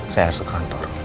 saya harus ke kantor